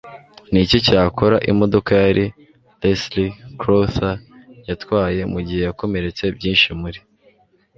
Niki Cyakora Imodoka Yari Leslie Crowther Yatwaye Mugihe Yakomeretse Byinshi muri